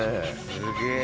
すげえ！